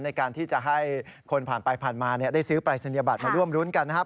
ในการที่จะให้คนผ่านไปผ่านมาได้ซื้อปรายศนียบัตรมาร่วมรุ้นกันนะครับ